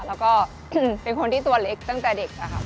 แล้วก็เป็นคนที่ตัวเล็กตั้งแต่เด็กอะค่ะ